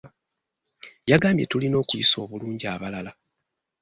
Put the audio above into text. Yagambye tulina okuyisa obulungi abalala.